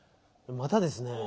またですねぇ。